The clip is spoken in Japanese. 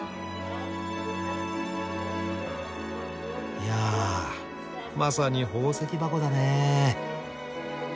いやあまさに宝石箱だね。